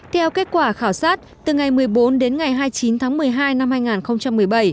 theo kết quả khảo sát từ ngày một mươi bốn đến ngày hai mươi chín tháng một mươi hai năm hai nghìn một mươi bảy